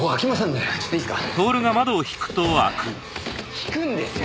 引くんですよ！